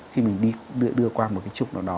khi mình đưa qua một cái trục nào đó